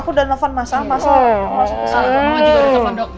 pak surya sebentar sebentar